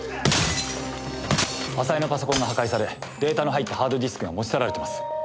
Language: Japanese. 浅井のパソコンが破壊されデータの入ったハードディスクが持ち去られてます。